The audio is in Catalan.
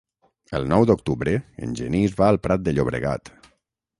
El nou d'octubre en Genís va al Prat de Llobregat.